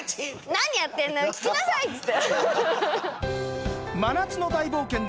「何やってんのよ聞きなさい！」っつって。